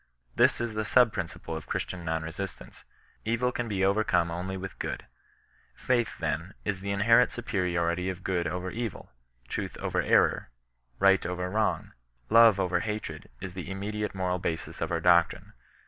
This is the sub principle of Christian non resist ance. '^ Evil can be overcome only with goodV Faith, then, in the inherent superiority oigood over ^vt?, truth over error, right over wrong, love over hatred, is the immediate moral basis of our doctrine.